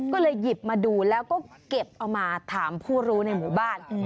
ก็เลยหยิบมาดูแล้วก็เก็บเอามาถามผู้รู้ในหมู่บ้าน